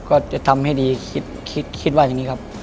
ก็จะทำให้ดีคิดคิดว่าอย่างนี้ครับ